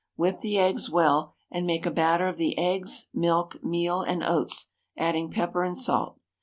Whip the eggs well, and make a batter of the eggs, milk, meal and oats, adding pepper and salt.